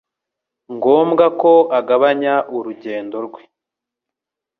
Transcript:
ngombwa ko agabanya urugendo rwe